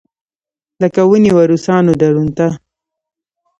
لکه ونېوه روسانو درونټه.